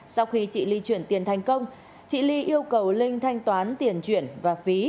sau khi chị ly chuyển tiền thành công chị ly yêu cầu linh thanh toán tiền chuyển và phí